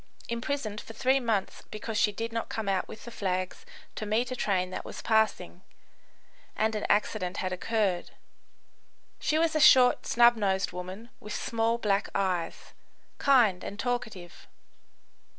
] imprisoned for three months because she did not come out with the flags to meet a train that was passing, and an accident had occurred. She was a short, snub nosed woman, with small, black eyes; kind and talkative.